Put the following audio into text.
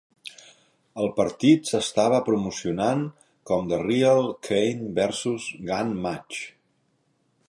El partit s'estava promocionant com The Real Cane versus Gunn Match.